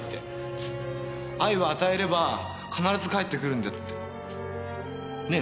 愛は与えれば必ず返ってくるんだって。ねぇ？